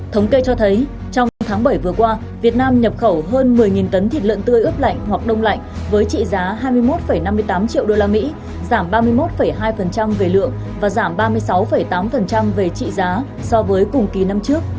thống kê cho thấy trong tháng bảy vừa qua việt nam nhập khẩu hơn một mươi tấn thịt lợn tươi ướp lạnh hoặc đông lạnh với trị giá hai mươi một năm mươi tám triệu usd giảm ba mươi một hai về lượng và giảm ba mươi sáu tám về trị giá so với cùng kỳ năm trước